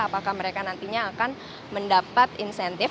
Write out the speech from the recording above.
apakah mereka nantinya akan mendapat insentif